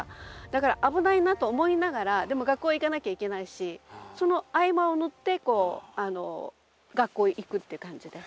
だから危ないなと思いながらでも学校へ行かなきゃいけないしその合間を縫ってこう学校へ行くっていう感じで。